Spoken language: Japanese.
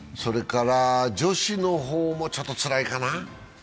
女子の方もちょっとつらいかな。